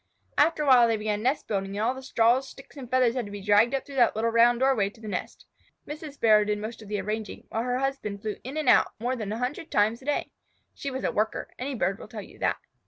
After a while they began nest building, and all the straws, sticks, and feathers had to be dragged up through the little round doorway to the nest. Mrs. Sparrow did most of the arranging, while her husband flew in and out more than a hundred times a day. She was a worker. Any bird will tell you that.